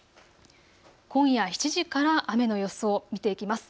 今夜７時から雨の予想を見ていきます。